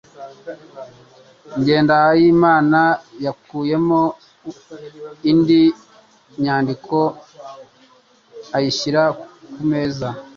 Jyendayimana yakuyemo indi nyandiko ayishyira ku meza